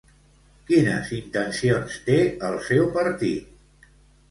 Quines intencions té el seu partit?